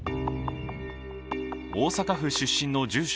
大阪府出身の住所